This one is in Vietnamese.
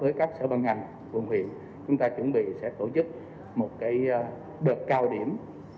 với các sở băng ngành quận huyện chúng ta chuẩn bị sẽ tổ chức một đợt cao điểm